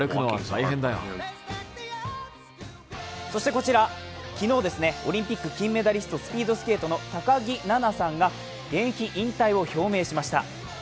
そしてこちら、昨日、オリンピック金メダリスト、スピードスケートの高木菜那さんが現役引退を表明しました。